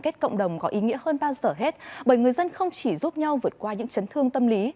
kết cộng đồng có ý nghĩa hơn bao giờ hết bởi người dân không chỉ giúp nhau vượt qua những chấn thương tâm lý